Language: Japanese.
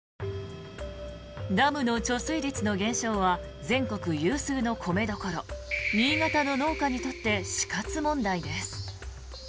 ダムの貯水率の減少は全国有数の米どころ新潟の農家にとって死活問題です。